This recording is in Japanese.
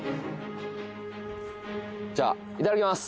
じゃあいただきます